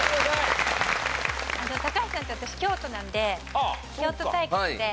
高橋さんと私京都なんで京都対決で。